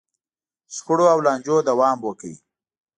شخړو او لانجو دوام وکړ.